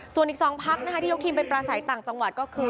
ส่วนอีก๒พักนะคะที่ยกทีมไปปราศัยต่างจังหวัดก็คือ